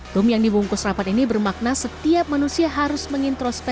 tum yang dibungkus rapat ini bermakna setiap manusia harus mengintrospek